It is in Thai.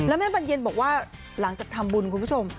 แม่บรรเย็นบอกว่าหลังจากทำบุญคุณผู้ชม